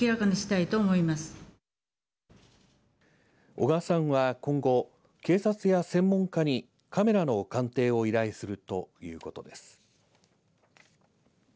小川さんは今後警察や専門家にカメラの鑑定を依頼するということです。